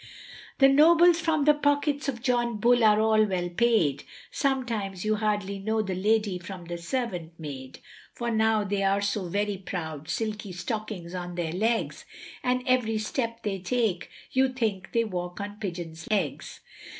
The nobles from the pockets of John Bull are all well paid; Sometimes you hardly know the lady from the servant maid, For now they are so very proud, silk stockings on their legs, And every step they take you think they walk on pigeon's eggs.